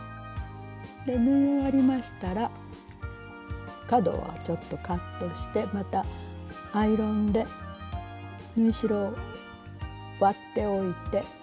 縫い終わりましたら角はちょっとカットしてまたアイロンで縫い代を割っておいて。